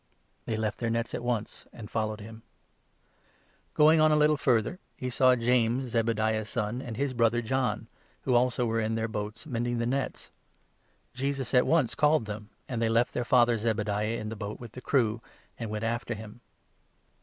They left their nets at once, and followed him. Going 18, on a little further, he saw James, Zebediah's son, and his brother John, who also were in their boat mending the nets. Jesus at once called them, and they left their father Zebediah 20 in the boat with the crew, and went after him.